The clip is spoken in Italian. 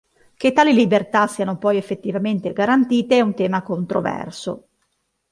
Che tali libertà siano poi effettivamente garantite è tema controverso.